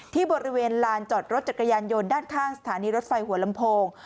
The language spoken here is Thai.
ที่บริเวณลานจอดรถจักรยานยนต์ด้านข้างสถานีรถไฟหัวลำโพง